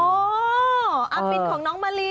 อืมอาปินของน้องมาลิ